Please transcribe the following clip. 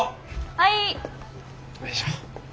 はい。